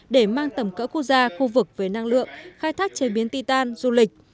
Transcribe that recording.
để mang tầm cỡ khu gia khu vực với năng lượng khai thác chế biến ti tan du lịch